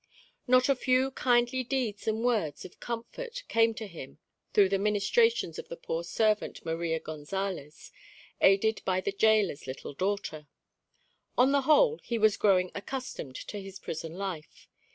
Not a few kindly deeds and words of comfort came to him through the ministrations of the poor servant Maria Gonsalez, aided by the gaoler's little daughter. On the whole, he was growing accustomed to his prison life.